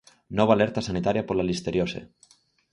Nova alerta sanitaria pola listeriose.